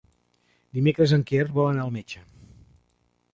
Dimecres en Quer vol anar al metge.